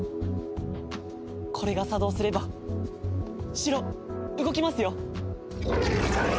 これが作動すれば城動きますよ！